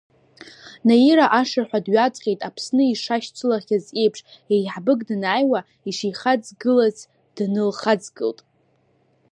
Наира ашырҳәа дҩаҵҟьеит Аԥсны дшашьцылахьаз еиԥш, еиҳабык данааиуа ишихаҵгылац днылхаҵгылт.